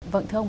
vâng thưa ông